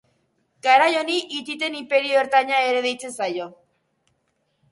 Garai honi, hititen inperio ertaina ere deitzen zaio.